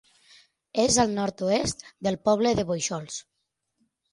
És al nord-oest del poble de Bóixols.